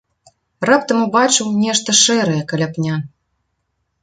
Раптам убачыў нешта шэрае каля пня.